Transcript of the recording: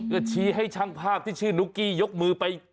ก็ชี้ให้ช่างภาพที่ชื่อนุ๊กกี้ยกมือไป